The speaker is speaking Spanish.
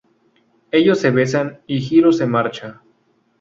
Ellos se besan y Hiro se marcha.